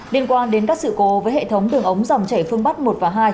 liên quan đến các sự cố với hệ thống đường ống dòng chảy phương bắc một và hai